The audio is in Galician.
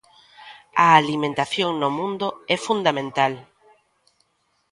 A alimentación no mundo é fundamental.